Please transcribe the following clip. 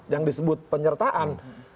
yang disebut penyertaan